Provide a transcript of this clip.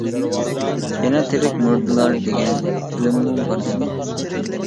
يەنە تىرىك مۇردىلار دېگەن فىلىممۇ بار ئىدى.